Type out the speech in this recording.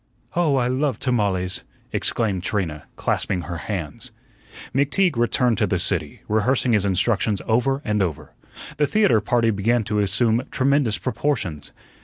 "Oh, I love tamales!" exclaimed Trina, clasping her hands. McTeague returned to the city, rehearsing his instructions over and over. The theatre party began to assume tremendous proportions.